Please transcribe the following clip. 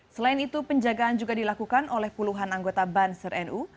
selain itu penjagaan juga dilakukan oleh puluhan anggota banser nu